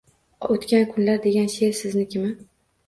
«O’tgan kunlar» degan she’r siznikimi?